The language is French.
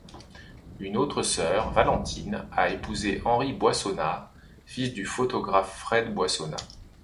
Une autre sœur, Valentine, a épousé Henri Boissonnas, fils du photographe Fred Boissonnas.